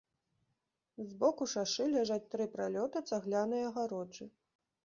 З боку шашы ляжаць тры пралёты цаглянай агароджы.